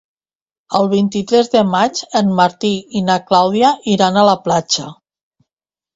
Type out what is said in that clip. El vint-i-tres de maig en Martí i na Clàudia iran a la platja.